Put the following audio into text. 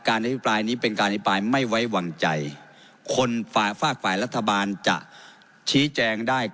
อภิปรายนี้เป็นการอภิปรายไม่ไว้วางใจคนฝากฝ่ายรัฐบาลจะชี้แจงได้